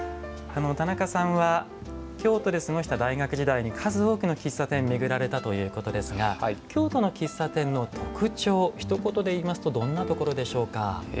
田中さんは京都で過ごした大学時代に数多くの喫茶店巡られたということですが京都の喫茶店の特徴ひと言で言いますとどんなところでしょうか？